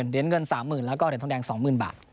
เดร็นเงิน๓๐๐๐๐แล้วก็เดร็นทองแดง๒๐๐๐๐บาท